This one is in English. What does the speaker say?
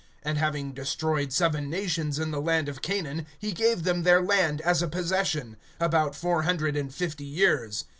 (19)And having destroyed seven nations in the land of Canaan, he gave them their land as a possession, (20)about four hundred and fifty years.